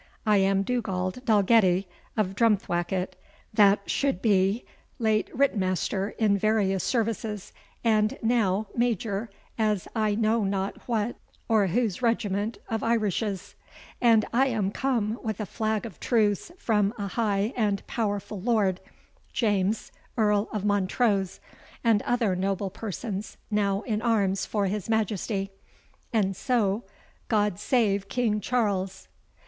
"I am Dugald Dalgetty, of Drumthwacket, that should be, late Ritt master in various services, and now Major of I know not what or whose regiment of Irishes; and I am come with a flag of truce from a high and powerful lord, James Earl of Montrose, and other noble persons now in arms for his Majesty. And so, God save King Charles!"